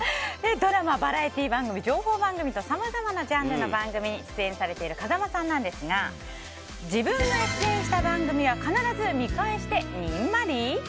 ドラマ、バラエティー番組情報番組とさまざまなジャンルの番組に出演されている風間さんですが自分が出演した番組は必ず見返してニンマリ？